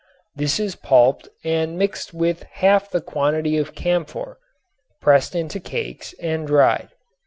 This is pulped and mixed with half the quantity of camphor, pressed into cakes and dried.